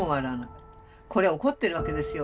これは怒ってるわけですよ